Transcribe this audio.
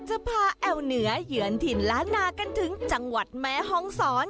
จะพาแอวเหนือเยือนถิ่นล้านนากันถึงจังหวัดแม่ฮองศร